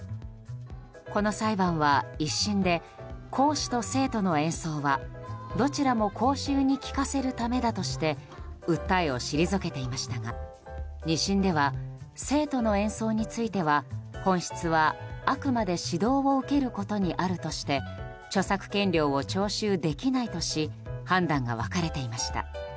この裁判は１審で講師と生徒の演奏はどちらも公衆に聞かせるためだとして訴えを退けていましたが２審では、生徒の演奏については本質は、あくまで指導を受けることにあるとして著作権料を徴収できないとし判断が分かれていました。